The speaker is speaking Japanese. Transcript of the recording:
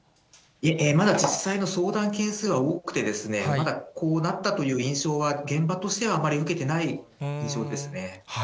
いえ、まだ実際の相談件数は多くて、まだこうなったという印象は、現場としてはあまり受けてない印象ですね。